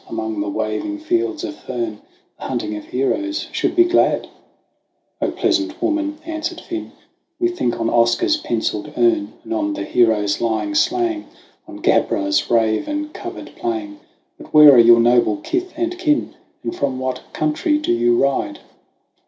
Among the waving fields of fern : The hunting of heroes should be glad." "0 pleasant maiden," answered Finn, "We think on Oscar's pencilled urn, And on the heroes lying slain, 70 THE WANDERINGS OF OISIN On Gavra's raven covered plain ; But where are your noble kith and kin, And into what country do you ride